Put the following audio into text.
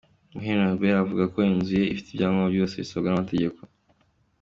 Muhire Norbert avuga ko inzu ye ifite ibyangombwa byose bisabwa n’amategeko.